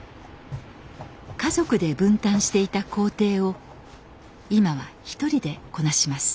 家族で分担していた工程を今は１人でこなします。